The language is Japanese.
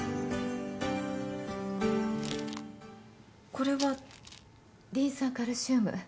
これは？リン酸カルシウム。